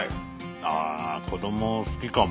ああ子ども好きかも。